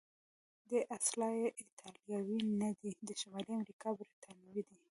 دی اصلا ایټالوی نه دی، د شمالي امریکا برتانوی دی.